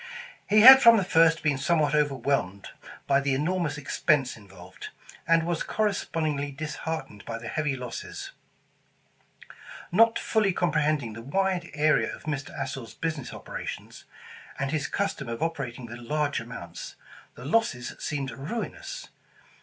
He had from the first been somewhat overwhelmed by the enormous expense involved, and was corres pondingly disheartened by the heavy losses. Not fully comprehending the wide area of Mr. Astor's business operations, and his custom of operating with large amounts, the losses seemed ruinous.